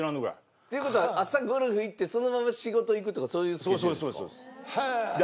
っていう事は朝ゴルフ行ってそのまま仕事行くとかそういうスケジュールですか？